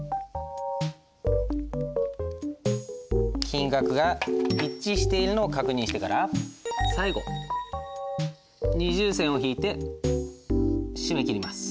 金額が一致しているのを確認してから最後二重線を引いて締め切ります。